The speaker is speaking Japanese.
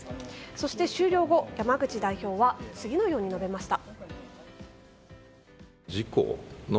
そして終了後、山口代表は次のように述べました。